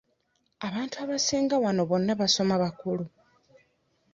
Abantu abasinga wano bonna baasoma bakulu.